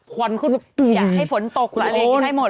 พวนขึ้นอยากให้ผลตกอะไรเองก็ได้หมดเลยนะ